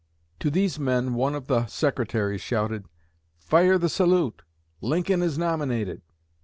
To these men one of the secretaries shouted: 'Fire the salute! Lincoln is nominated!'